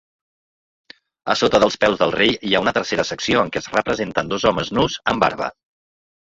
A sota dels peus del rei hi ha una tercera secció, en què es representen dos homes nus amb barba.